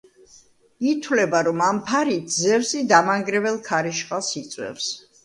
ითვლება, რომ ამ ფარით ზევსი დამანგრეველ ქარიშხალს იწვევს.